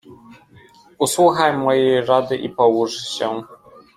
"Usłuchaj mojej rady i połóż się."